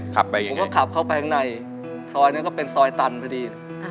ผมก็ขับเข้าไปข้างในซอยนั้นก็เป็นซอยตันพอดี